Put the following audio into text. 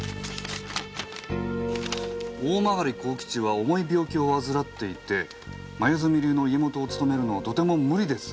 「大曲幸吉は重い病気を患っていて黛流の家元を務めるのはとても無理です」。